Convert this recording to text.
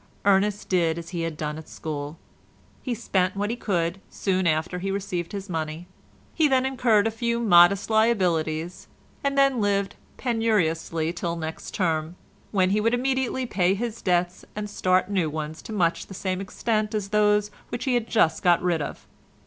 Ernest did as he had done at school—he spent what he could, soon after he received his money; he then incurred a few modest liabilities, and then lived penuriously till next term, when he would immediately pay his debts, and start new ones to much the same extent as those which he had just got rid of.